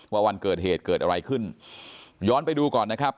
วันเกิดเหตุเกิดอะไรขึ้นย้อนไปดูก่อนนะครับ